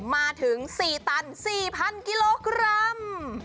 มาถึง๔ตัน๔๐๐กิโลกรัม